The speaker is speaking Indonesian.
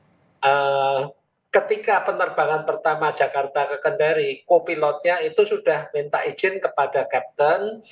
untuk menerbang ke kendari ketika penerbangan pertama jakarta ke kendari kopilotnya itu sudah minta izin kepada kapten